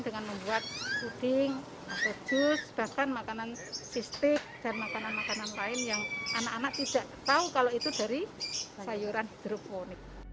dengan membuat puding atau jus bahkan makanan pistik dan makanan makanan lain yang anak anak tidak tahu kalau itu dari sayuran hidroponik